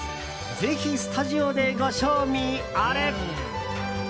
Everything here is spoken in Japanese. ぜひ、スタジオでご賞味あれ。